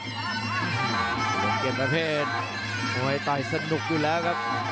โรงเกียจประเภทโอ้ยต่อยสนุกอยู่แล้วครับ